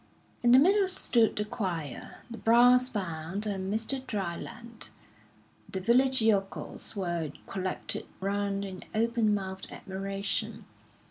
In the middle stood the choir, the brass band, and Mr. Dryland. The village yokels were collected round in open mouthed admiration.